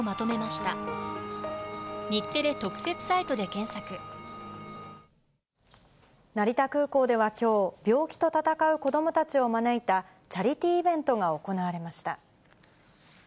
今月２５日に、成田空港ではきょう、病気と闘う子どもたちを招いたチャリティーイベントが行われました。